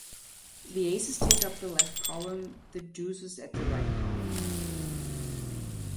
The Aces take up the left column, the deuces at the right column.